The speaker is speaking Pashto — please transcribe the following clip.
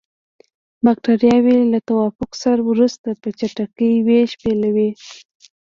بکټریاوې له توافق وروسته په چټکۍ ویش پیلوي.